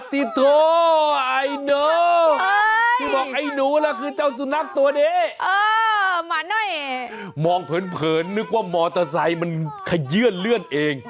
ปฏิโทษไอ้หนูที่บอกไอ้หนูแล้วคือเจ้าสุนัขตัวนี้มองเพลินนึกว่ามอเตอร์ไซด์มันเคลื่อนเลื่อนเอง